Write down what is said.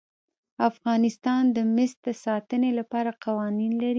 افغانستان د مس د ساتنې لپاره قوانین لري.